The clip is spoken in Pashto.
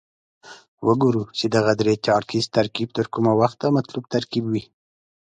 وګورو چې دغه درې چارکیز ترکیب تر کومه وخته مطلوب ترکیب وي.